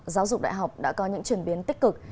giáo dục đại học đã có những chuyển biến tích cực